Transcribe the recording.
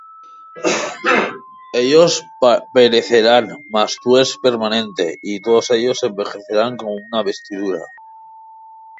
Ellos perecerán, mas tú eres permanente; Y todos ellos se envejecerán como una vestidura;